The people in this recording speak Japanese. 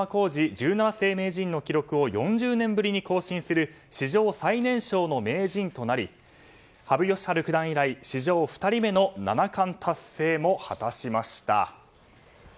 十七世名人の記録を４０年ぶりに更新する史上最年少の名人となり羽生善治九段以来、史上２人目の七冠達成も果たしました。